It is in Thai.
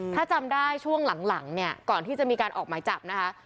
ถ้าจำได้ช่วงหลังเนี่ยก่อนที่จะมีการออกหมายจับนะคะ